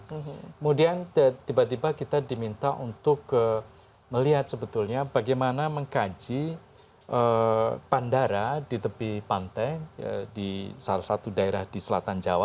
kemudian tiba tiba kita diminta untuk melihat sebetulnya bagaimana mengkaji bandara di tepi pantai di salah satu daerah di selatan jawa